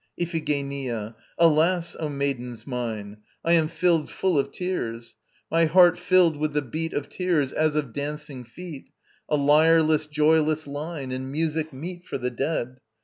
] IPHIGENIA. Alas, O maidens mine, I am filled full of tears: My heart filled with the beat Of tears, as of dancing feet, A lyreless joyless line, And music meet for the dead.